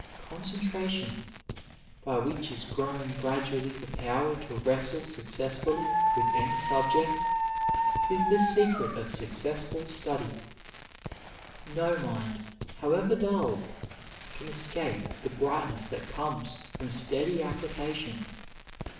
Concentration, by which is grown gradually the power to wrestle successfully with any subject, is the secret of successful study. No mind however dull can escape the brightness that comes from steady application.